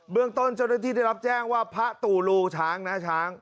เรื่องต้นเจ้าหน้าที่ได้รับแจ้งว่าพระตู่ลูช้างนะช้าง